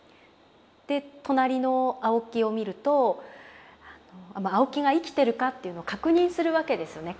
で隣の青木を見ると青木が生きてるかというのを確認するわけですよね